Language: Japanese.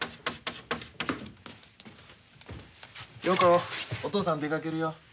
陽子お父さん出かけるよ。